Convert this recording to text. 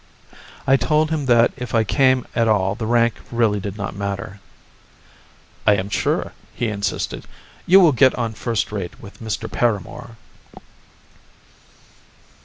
I told him that if I came at all the rank really did not matter. "I am sure," he insisted, "you will get on first rate with Mr. Paramor."